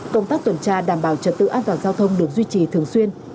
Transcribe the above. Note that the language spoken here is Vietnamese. công tác tuần tra đảm bảo trật tự an toàn giao thông được duy trì thường xuyên